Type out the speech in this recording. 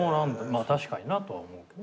まあ確かになとは思うけど。